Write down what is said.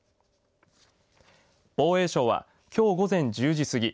防衛省は、きょう午前１０時過ぎ